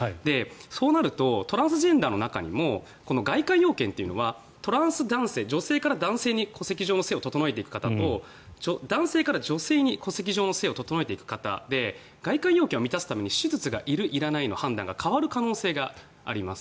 そうなるとトランスジェンダーの中にも外観要件というのはトランス男性、女性から男性に戸籍上の姓を整えていく方と女性から男性に戸籍上の姓を整えていく方で外観要件を満たすために手術がいる、いらないの判断が変わる可能性があります。